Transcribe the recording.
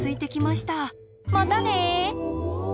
またね。